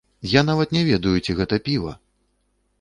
Я нават не ведаю, ці гэта піва.